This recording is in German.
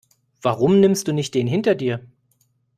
Warum nimmst du nicht den hinter dir?